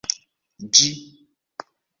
ĝi